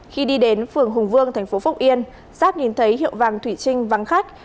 khi đi đến phường hùng vương thành phố phúc yên giáp nhìn thấy hiệu vàng thủy trinh vắng khách